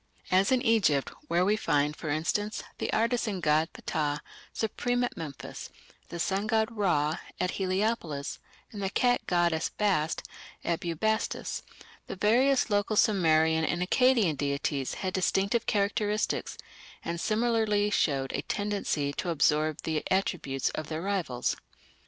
As in Egypt, where we find, for instance, the artisan god Ptah supreme at Memphis, the sun god Ra at Heliopolis, and the cat goddess Bast at Bubastis, the various local Sumerian and Akkadian deities had distinctive characteristics, and similarly showed a tendency to absorb the attributes of their rivals.